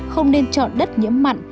không nên chọn đất nhiễm mặn